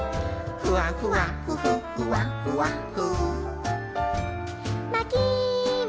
「ふわふわふふふわふわふ」